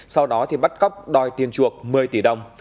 sau đó thì bắt cóc đòi tiền chuộc một mươi tỷ đồng